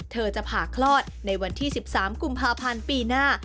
เธอจะผ่าคลอดในวันที่๑๓กุมภาพันธ์ปีหน้า